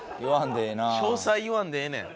詳細言わんでええねん。